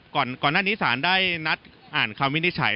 ก่อนหน้านี้สารได้นัดอ่านคำวินิจฉัย